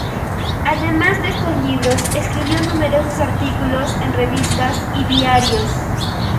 Además de estos libros, escribió numerosos artículos en revistas y diarios.